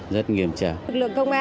về tham gia lễ hội